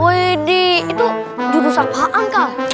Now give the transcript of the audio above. widi itu jurusan pak angka